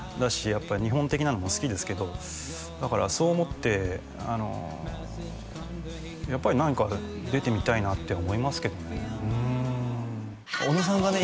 やっぱり日本的なのも好きですけどだからそう思ってやっぱり何か出てみたいなって思いますけどね尾野さんがね